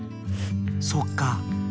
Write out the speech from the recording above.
そっか。